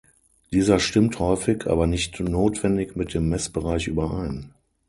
Dieser stimmt häufig, aber nicht notwendig mit dem Messbereich überein.